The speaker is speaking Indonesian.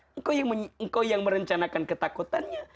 engkau yang merencanakan ketakutannya